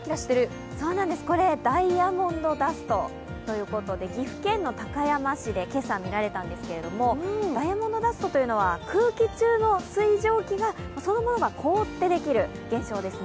これ、ダイヤモンドダストということで、岐阜県の高山市で今朝見られたんですけれども、ダイヤモンドダストというのは空気中の水蒸気がそのまま凍ってできる現象ですね。